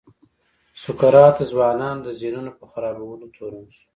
سقراط د ځوانانو د ذهنونو په خرابولو تورن شو.